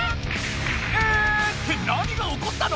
⁉「え⁉」って何がおこったの？